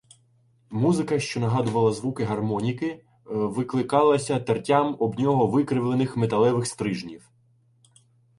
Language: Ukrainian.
Музика, що нагадувала звуки гармоніки, викликалася тертям об нього викривлених металевих стрижнів.